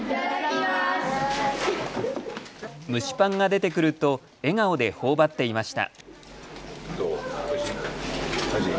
蒸しパンが出てくると笑顔でほおばっていました。